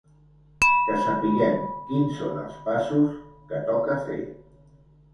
Que sapiguem quins són els passos que toca fer.